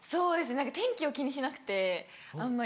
何か天気を気にしなくてあんまり。